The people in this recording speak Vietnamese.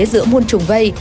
giữa muôn trùng vây